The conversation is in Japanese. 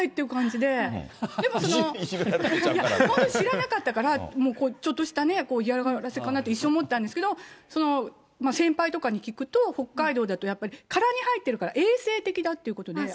でも、本当に知らなかったから、ちょっとしたね、嫌がらせかなって、一瞬思ったんですけど、先輩とかに聞くと、北海道だとやっぱり、殻に入ってるから、衛生的だということで。